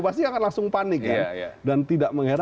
pasti akan langsung panik ya dan tidak mengherankan